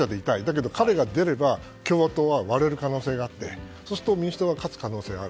でも、彼が出れば共和党は割れる可能性があってそうすると民主党が勝つ可能性がある。